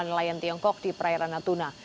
pada saat ini tiongkok menemukan perairan natuna